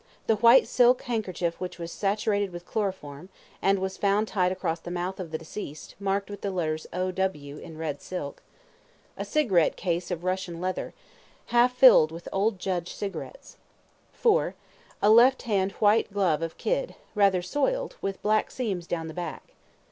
2. The white silk handkerchief which was saturated with chloroform, and was found tied across the mouth of the deceased, marked with the letters O.W. in red silk. 3. A cigarette case of Russian leather, half filled with "Old Judge" cigarettes. 4. A left hand white glove of kid rather soiled with black seams down the back.